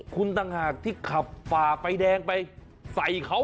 คุณต่างหากที่ขับฝ่าไฟแดงไปใส่เขา